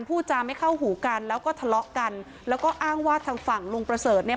พูดจาไม่เข้าหูกันแล้วก็ทะเลาะกันแล้วก็อ้างว่าทางฝั่งลุงประเสริฐเนี่ย